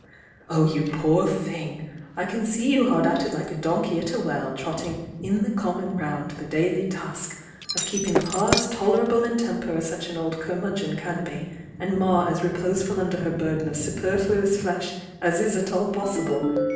Oh, you poor thing! I can see you hard at it like a donkey at a well, trotting 'in the common round, the daily task' of keeping Pa as tolerable in temper as such an old curmudgeon can be, and Ma as reposeful under her burden of superfluous flesh as is at all possible.